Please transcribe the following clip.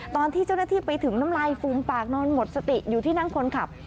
ตอนที่เจ้าหน้าที่ไปถึงน้ำลายฟูมปากนอนหมดสติอยู่ที่นั่งคนขับ